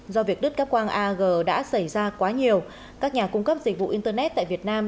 do việc đứt các quang ag đã xảy ra quá nhiều các nhà cung cấp dịch vụ internet tại việt nam